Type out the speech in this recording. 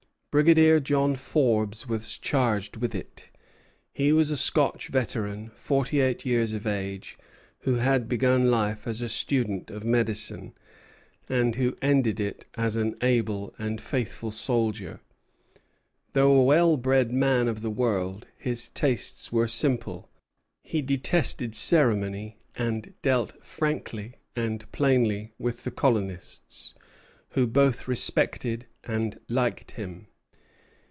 Brigadier John Forbes was charged with it. He was a Scotch veteran, forty eight years of age, who had begun life as a student of medicine, and who ended it as an able and faithful soldier. Though a well bred man of the world, his tastes were simple; he detested ceremony, and dealt frankly and plainly with the colonists, who both respected and liked him.